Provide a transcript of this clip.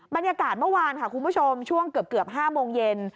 บรรยากาศเมื่อวานค่ะคุณผู้ชมช่วงเกือบ๕โมงเย็น